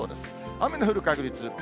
雨の降る確率。